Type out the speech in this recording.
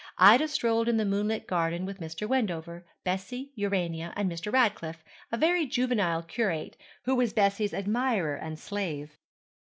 Ida strolled in the moonlit garden with Mr. Wendover, Bessie, Urania, and Mr. Ratcliffe, a very juvenile curate, who was Bessie's admirer and slave.